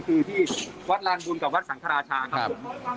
คือที่วัดลานบุญกับวัดสังฆราชาครับผม